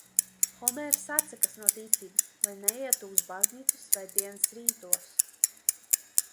Homērs atsakās no ticības, lai neietu uz baznīcu svētdienas rītos.